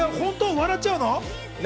笑っちゃうの？